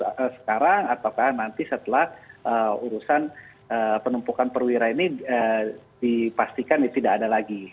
apakah sekarang ataukah nanti setelah urusan penumpukan perwira ini dipastikan tidak ada lagi